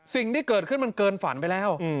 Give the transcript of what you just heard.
สิ่งที่เกิดขึ้นมันเกินฝันไปแล้ว